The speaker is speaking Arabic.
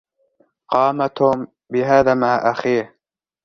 قام توم بهذا مع أخيه.